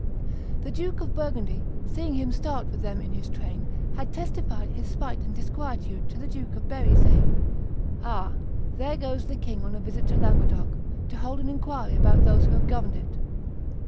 The Duke of Burgundy, seeing him start with them in his train, had testified his spite and disquietude to the Duke of Berry, saying, "Aha! there goes the king on a visit to Languedoc, to hold an inquiry about those who have governed it.